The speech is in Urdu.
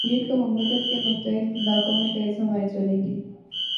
پیر کو مملکت کے متعدد علاقوں میں تیز ہوائیں چلیں گی